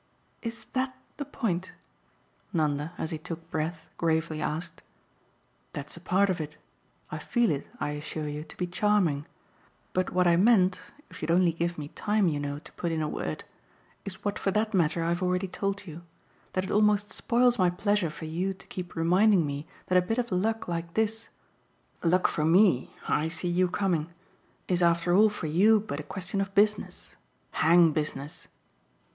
"Is THAT the point?" Nanda, as he took breath, gravely asked. "That's a part of it I feel it, I assure you, to be charming. But what I meant if you'd only give me time, you know, to put in a word is what for that matter I've already told you: that it almost spoils my pleasure for you to keep reminding me that a bit of luck like this luck for ME: I see you coming! is after all for you but a question of business. Hang business!